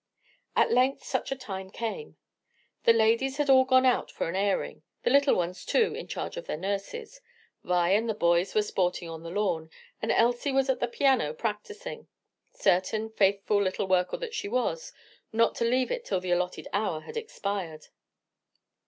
At length such a time came. The ladies had all gone out for an airing, the little ones, too, in charge of their nurses, Vi and the boys were sporting on the lawn, and Elsie was at the piano practicing; certain, faithful little worker that she was, not to leave it till the allotted hour had expired.